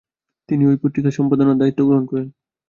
তিনি ঐ পত্রিকার সম্পাদনার দায়িত্ব গ্রহণ করেন।